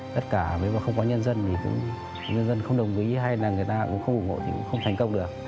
tất cả nếu mà không có nhân dân thì cũng nhân dân không đồng ý hay là người ta cũng không ủng hộ thì cũng không thành công được